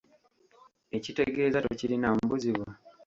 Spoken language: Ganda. Ekitegeeza tokirinaamu buzibu?